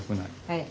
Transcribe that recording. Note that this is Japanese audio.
はい。